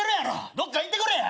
どっか行ってくれや！